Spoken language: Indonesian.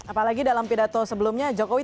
apalagi dalam pidato sebelumnya jokowi